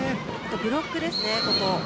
ブロックですね、ここ。